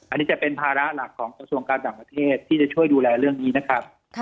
อันนี้จะเป็นภาระหลักของกระทรวงการต่างประเทศที่จะช่วยดูแลเรื่องนี้นะครับ